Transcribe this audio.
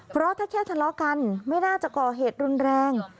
เพราะถ้าแค่ทะเลาะกันไม่น่าจะก่อเหตุรุนแรง